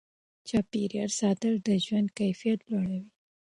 چاپیریال ساتل د ژوند کیفیت لوړوي.